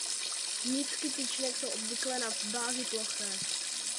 Nitky tyčinek jsou obvykle na bázi ploché.